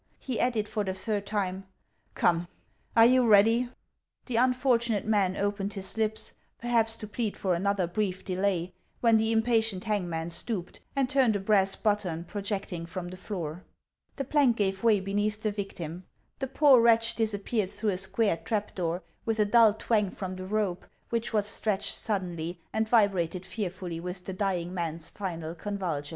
He added for the third time :" Come, are you read} \" The unfortunate man opened his lips, perhaps to plead for another brief delay, when the impatient hangman stooped and turned a brass button projecting from the floor. The plank gave way beneath the victim ; the poor wretch disappeared through a square trap door with a dull twang from the rope, which was stretched suddenly and vibrated fearfully with the dying man's final convulsions.